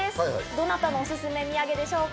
どなたのおすすめ土産でしょうか？